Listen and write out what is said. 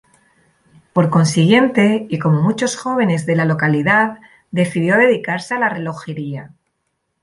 Por consiguiente, y como muchos jóvenes de la localidad decidió dedicarse a la relojería.